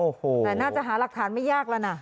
โอ้โหแต่น่าจะหาหลักฐานไม่ยากแล้วนะ